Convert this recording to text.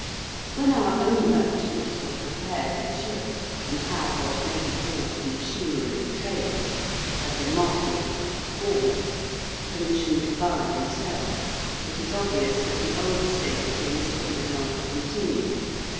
When our own merchants were prepared with ships and had what may be called the machinery of trade; as a market, wharves, permission to buy and sell; it is obvious that the old state of things could no longer continue.